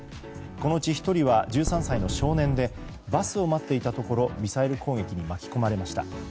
このうち１人は１３歳の少年でバスを待っていたところミサイル攻撃に巻き込まれました。